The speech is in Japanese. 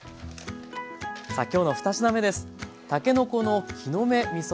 さあ今日の２品目です。